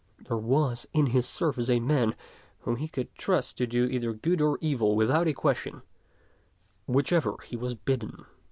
There was in his service a man whom he could trust to do either good or evil without a question, whichever he was bidden.